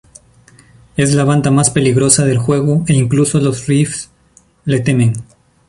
Es la banda más peligrosa del juego e incluso los Riffs les temen.